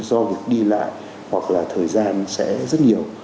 do việc đi lại hoặc là thời gian sẽ rất nhiều